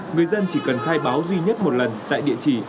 người dân chỉ cần khai báo duy nhất một lần tại địa chỉ